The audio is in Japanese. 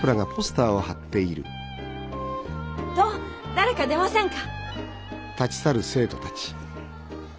誰か出ませんか？